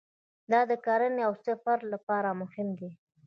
دا د کرنې او سفر لپاره مهم دی.